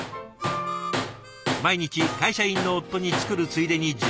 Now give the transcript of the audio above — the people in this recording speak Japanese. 毎日会社員の夫に作るついでに自分の分も。